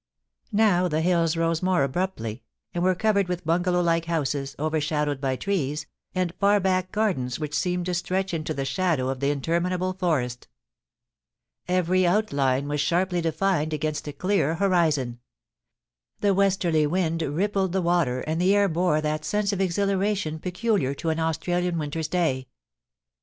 Now the hills rose more abruptly, and were covered with bungalow like houses, overshadowed by trees, and far back gardens which seemed to stretch into the shadow of the interminable forest Every outline was sharply defined against a clear horizon ; the westerly wind rippled the water, and the air bore that sense of exhilaration peculiar to an Australian winter's day.